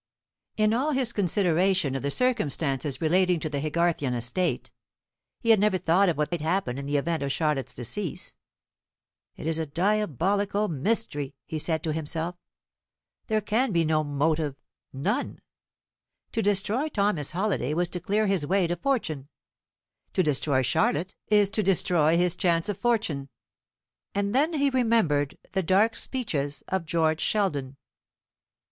In all his consideration of the circumstances relating to the Haygarthian estate, he had never thought of what might happen in the event of Charlotte's decease. "It is a diabolical mystery," he said to himself. "There can be no motive none. To destroy Thomas Halliday was to clear his way to fortune; to destroy Charlotte is to destroy his chance of fortune." And then he remembered the dark speeches of George Sheldon.